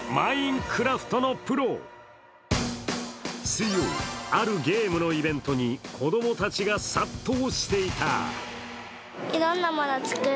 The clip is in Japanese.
水曜、あるゲームのイベントに子供たちが殺到していた。